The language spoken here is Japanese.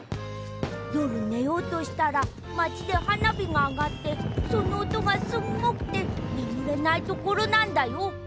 よるねようとしたらまちではなびがあがってそのおとがすっごくてねむれないところなんだよ。